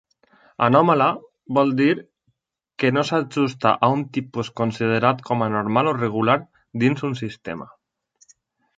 "Anòmala" vol dir "que no s'ajusta a un tipus considerat com a normal o regular, dins un sistema".